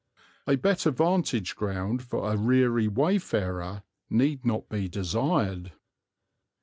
A better vantage ground for a weary wayfarer need not be desired.